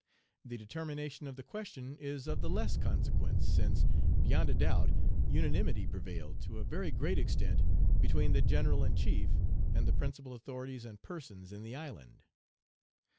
The determination of the question is of the less consequence since, beyond a doubt, unanimity prevailed to a very great extent between the General in chief and the principal authorities and persons in the island.